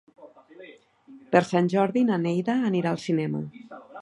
Per Sant Jordi na Neida anirà al cinema.